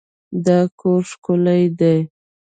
دا کور ښکلی دی.